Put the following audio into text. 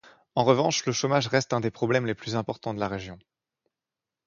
En revanche, le chômage reste un des problèmes les plus importants de la région.